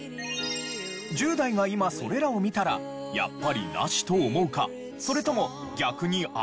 １０代が今それらを見たらやっぱりナシと思うかそれとも逆にアリと思うのか？